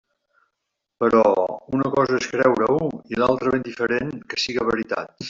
Però... una cosa és creure-ho, i l'altra ben diferent que siga veritat!